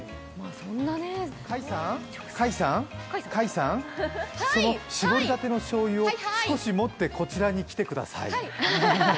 甲斐さん、その搾りたてのしょうゆを少し持ってこちらに来てください。